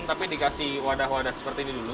tapi dikasih wadah wadah seperti ini dulu